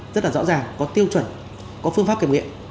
rất là rõ ràng có tiêu chuẩn có phương pháp kiểm nghiệm